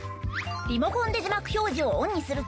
リモコンで字幕表示をオンにすると。